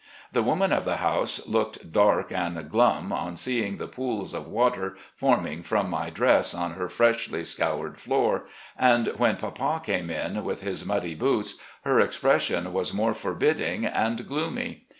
The woman of the house looked dark and glum on seeing the pools of water forming from my dress on her freshly scoured floor, and when papa came in with his muddy boots her expression was more forbidding and gloomy.